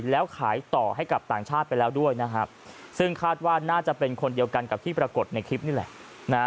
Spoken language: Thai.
แล้วขายต่อให้กับต่างชาติไปแล้วด้วยนะครับซึ่งคาดว่าน่าจะเป็นคนเดียวกันกับที่ปรากฏในคลิปนี่แหละนะฮะ